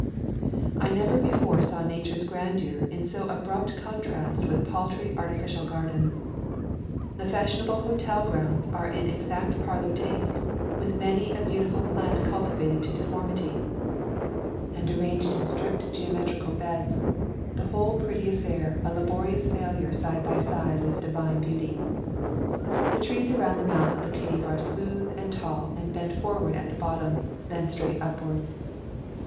I never before saw Nature's grandeur in so abrupt contrast with paltry artificial gardens. The fashionable hotel grounds are in exact parlor taste, with many a beautiful plant cul tivated to deformity, and arranged in strict [11 ] A Thousand Mile Walk geometrical beds, the whole pretty affair a laborious failure side by side with Divine beauty. The trees around the mouth of the cave are smooth and tall and bent forward at the bottom, then straight upwards.